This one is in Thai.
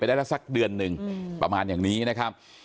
ได้ละสักเดือนหนึ่งประมาณอย่างนี้นะครับ